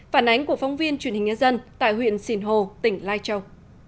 phản ánh của phóng viên truyền hình nhân dân tại huyện sìn hồ tỉnh lai châu